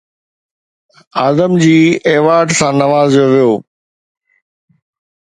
Adamjee award سان نوازيو ويو